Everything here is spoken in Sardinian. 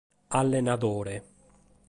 Allenadore.